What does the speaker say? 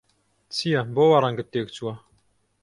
چییە، بۆ وا ڕەنگت تێکچووە؟